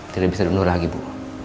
tidak bisa diurah lagi bu